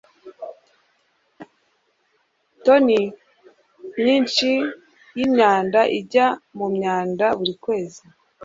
toni nyinshi yimyanda ijya mumyanda buri kwezi